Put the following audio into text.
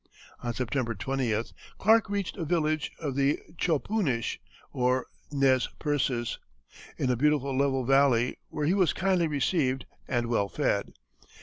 On September 20th, Clark reached a village of the Chopunish or Nez Percés, in a beautiful level valley, where he was kindly received and well fed.